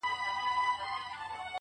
ته یې لور د شراب، زه مست زوی د بنګ یم~